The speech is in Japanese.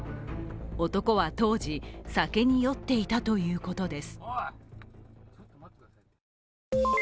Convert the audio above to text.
男は当時、酒に酔っていたということです。